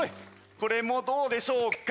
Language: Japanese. これもどうでしょうか？